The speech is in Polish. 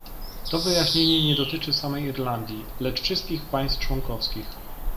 To wyjaśnienie nie dotyczy samej Irlandii, lecz wszystkich państw członkowskich